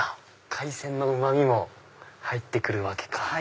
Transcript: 海鮮のうま味も入って来るわけか。